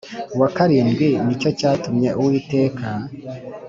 Wa karindwi ni cyo cyatumye uwiteka